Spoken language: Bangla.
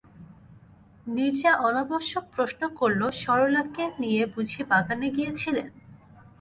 নীরজা অনাবশ্যক প্রশ্ন করল, সরলাকে নিয়ে বুঝি বাগানে গিয়েছিলেন?